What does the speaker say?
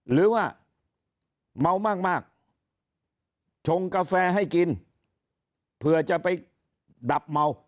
หรือว่าเมามากชงกาแฟให้กินเผื่อจะไปดับเมา